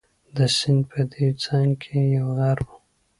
د سیند په دې څنګ کې یو غر وو.